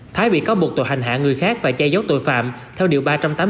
thái bị cáo buộc tội hành hạ người khác và che giấu tội phạm theo điều ba trăm tám mươi tám